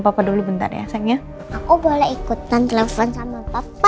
papa dulu bentar ya sayangnya aku boleh ikutan dilakukan sama papa